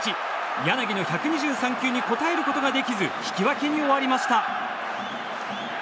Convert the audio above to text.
柳の１２３球に応えることができず引き分けに終わりました。